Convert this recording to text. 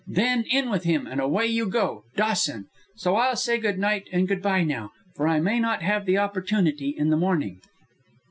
Then in with him, and away you go Dawson! So I'll say good night and good by now, for I may not have the opportunity in the morning."